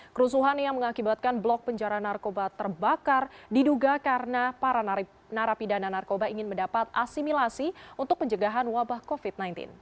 kerusuhan yang mengakibatkan blok penjara narkoba terbakar diduga karena para narapidana narkoba ingin mendapat asimilasi untuk pencegahan wabah covid sembilan belas